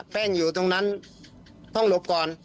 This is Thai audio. แป้งอยู่ตรงนั้นต้องหลบก่อน